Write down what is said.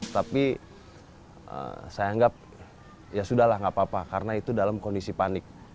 tapi saya anggap ya sudah lah nggak apa apa karena itu dalam kondisi panik